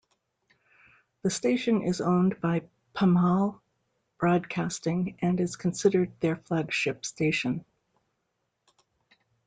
The station is owned by Pamal Broadcasting and is considered their flagship station.